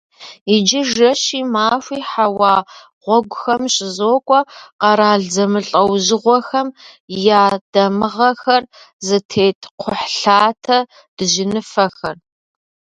Иджы жэщи махуи хьэуа гъуэгухэм щызокӏуэ къэрал зэмылӏэужьыгъуэхэм я дамыгъэхэр зытет кхъухьлъатэ дыжьыныфэхэр.